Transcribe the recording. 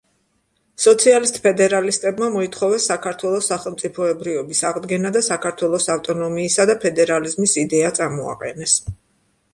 სოციალისტ-ფედერალისტებმა მოითხოვეს საქართველოს სახელმწიფოებრიობის აღდგენა და საქართველოს ავტონომიისა და ფედერალიზმის იდეა წამოაყენეს.